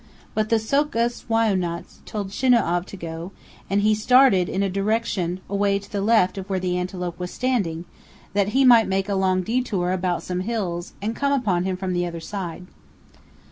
But the So'kus Wai'unats told Shinau'av to go; and he started in a direction away to the left of where the antelope was standing, that he might make a long detour about some hills and come upon him from the other side.